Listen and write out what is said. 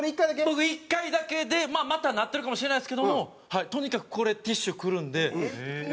僕１回だけでまあまたなってるかもしれないですけどもとにかくこれティッシュくるんで持ってますよ。